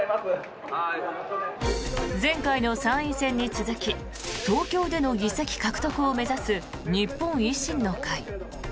前回の参院選に続き東京での議席獲得を目指す日本維新の会。